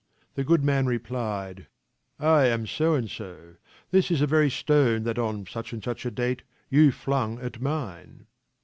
" The good man replied ;" I am so and so; this is the very stone that on such and such a date you flung at mine."